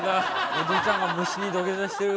おじいちゃんが虫に土下座してる。